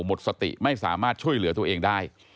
หมดสติไม่สามารถช่วยเหลือตัวเองได้